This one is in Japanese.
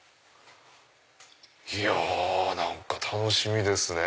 いや何か楽しみですね。